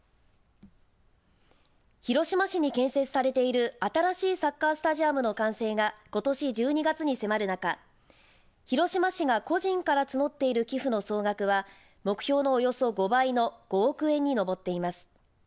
広島市に建設されている新しいサッカースタジアムの完成がことし１２月に迫る中広島市が個人から募っている寄付の総額は目標のおよそ５倍の５億円に上っています。